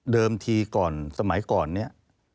เดิมทีก่อนสมัยก่อนนี้